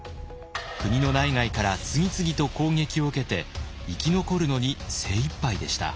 国の内外から次々と攻撃を受けて生き残るのに精いっぱいでした。